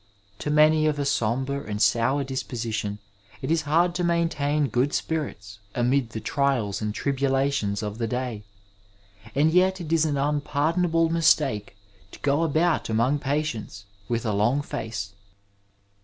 To man7 of a sombre and sour disposition it is hard to maintain good spirits amid the trials and tribulations of the da7, and jet it is an unpardonaUe mistake to go about among patients with a long face.